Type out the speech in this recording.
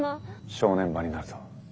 正念場になるぞ。